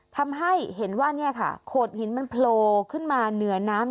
ทำให้เห็นว่าเนี่ยค่ะโขดหินมันโผล่ขึ้นมาเหนือน้ำ